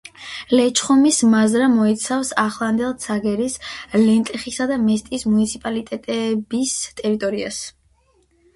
ლეჩხუმის მაზრა მოიცავდა ახლანდელ ცაგერის, ლენტეხისა და მესტიის მუნიციპალიტეტების ტერიტორიას.